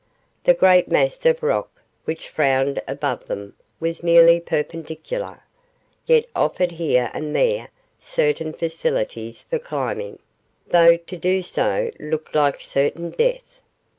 The great mass of rock which frowned above them was nearly perpendicular, yet offered here and there certain facilities for climbing, though to do so looked like certain death.